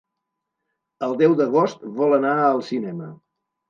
El deu d'agost vol anar al cinema.